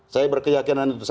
saya berkeyakinan itu